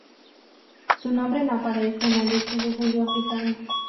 Su nombre no aparece en la lista de Julio Africano.